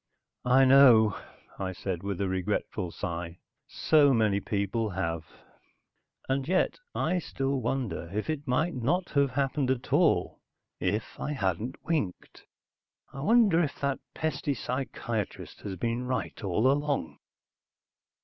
"I know," I said with a regretful sigh. "So many people have." And yet, I still wonder if it might not have happened at all if I hadn't winked. I wonder if that pesty psychiatrist has been right, all along?